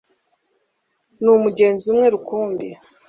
n'umugenzi umwe rukumbi